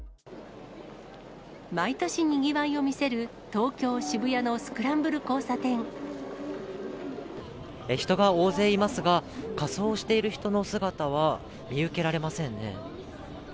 毎年にぎわいを見せる、人が大勢いますが、仮装している人の姿は見受けられませんね。